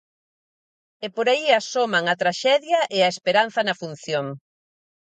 E por aí asoman a traxedia e a esperanza na función.